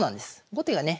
後手がね